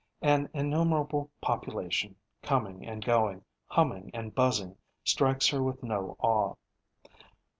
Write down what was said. An innumerable population, coming and going, humming and buzzing, strikes her with no awe.